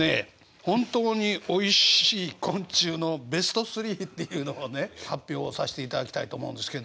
ほんとうにおいしい昆虫のベスト３っていうのをね発表させていただきたいと思うんですけど。